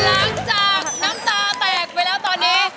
หลังจากน้ำตาแตกไปแล้วตอนนี้